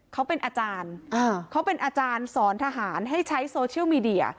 เขาเป็นอาจารย์เขาเป็นอาจารย์สอนทหารให้ใช้โซเชียลมีเดีย